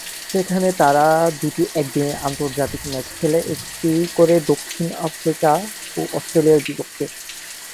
সেখানে তারা দুটি একদিনের আন্তর্জাতিক ম্যাচ খেলে, একটি করে দক্ষিণ আফ্রিকা ও অস্ট্রেলিয়ার বিপক্ষে।